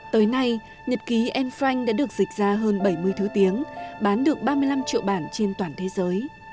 tới nay nhật ký anne frank đã được dịch ra hơn bảy mươi thứ tiếng bán được ba mươi năm triệu bản trên toàn thế giới